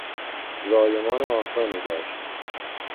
زایمان آسانی داشت.